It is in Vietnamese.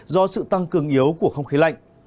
do sự tăng cường yếu của không khí lạnh